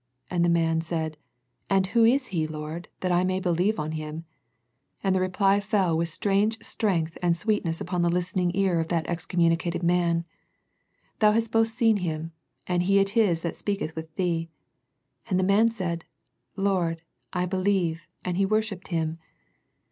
" And the man said, " And Who is He, Lord, that I may beHeve on Him ?" And the reply fell with strange strength and sweetness upon the listening ear of that excommunicated man, " Thou hast both seen Him, and He it is that speaketh with thee," and the man said " Lord, I believe, and he worshipped Him."